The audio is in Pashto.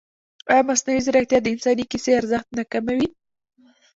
ایا مصنوعي ځیرکتیا د انساني کیسې ارزښت نه کموي؟